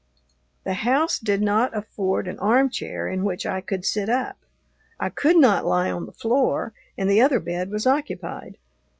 The house did not afford an armchair in which I could sit up. I could not lie on the floor, and the other bed was occupied.